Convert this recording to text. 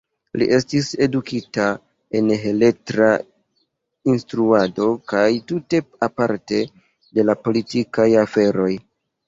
Li estis edukita en beletra instruado kaj tute aparte de la politikaj aferoj.